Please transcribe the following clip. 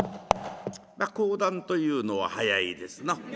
まあ講談というのは早いですな。